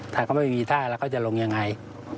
ถ้าเขาไม่มีท่าแล้วเขาจะลงยังไง